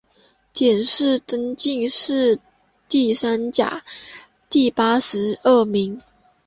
殿试登进士第三甲第八十二名。